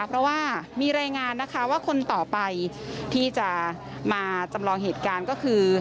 เพราะว่ามีรายงานนะคะว่าคนต่อไปที่จะมาจำลองเหตุการณ์ก็คือ